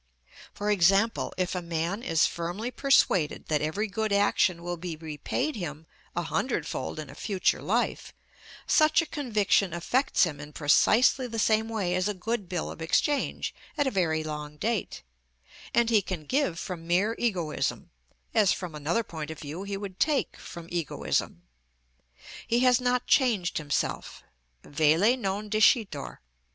For example, if a man is firmly persuaded that every good action will be repaid him a hundredfold in a future life, such a conviction affects him in precisely the same way as a good bill of exchange at a very long date, and he can give from mere egoism, as from another point of view he would take from egoism. He has not changed himself: _velle non discitur.